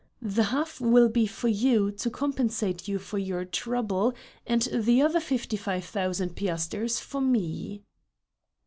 The half will be for you to compensate you for your trouble and the other fifty five thousand piasters for me."